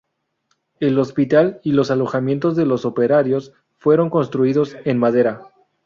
El hospital y los alojamientos de los operarios fueron construidos en madera.